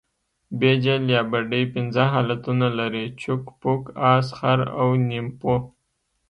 بیجل یا بډۍ پنځه حالتونه لري؛ چوک، پوک، اس، خر او نیمپو.